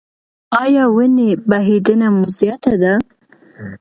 ایا وینې بهیدنه مو زیاته ده؟